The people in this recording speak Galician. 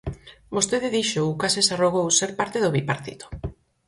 Vostede dixo ou case se arrogou ser parte do Bipartito.